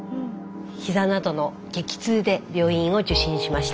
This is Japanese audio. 膝などの激痛で病院を受診しました。